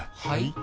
はい？